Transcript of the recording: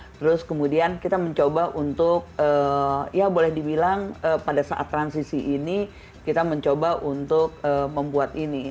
terus kemudian kita mencoba untuk ya boleh dibilang pada saat transisi ini kita mencoba untuk membuat ini